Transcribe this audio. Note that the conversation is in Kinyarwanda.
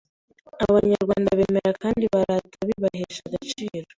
Abanyarwanda) bemera kandi barata bibahesha agaciro,